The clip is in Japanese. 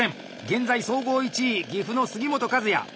現在総合１位岐阜の杉本和也！